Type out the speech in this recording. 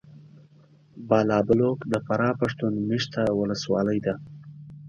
بالابلوک د فراه پښتون مېشته ولسوالي ده .